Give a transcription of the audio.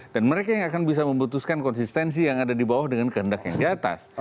dan mereka yang akan bisa memutuskan konsistensi yang ada di bawah dengan kehendak yang di atas